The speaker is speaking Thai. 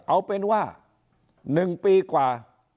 เอาเป็นว่า๑ปีกว่า